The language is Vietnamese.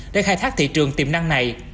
để khai thác thị trường tiềm năng này